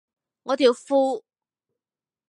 我條褲